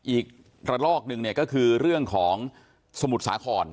อีกระลอกหนึ่งเนี่ยก็คือเรื่องของสมุทรสาคร